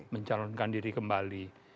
mencalonkan diri kembali